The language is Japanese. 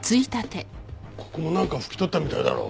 ここもなんか拭き取ったみたいだろう？